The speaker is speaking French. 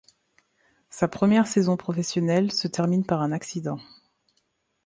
Sa première saison professionnelle se termine par un accident.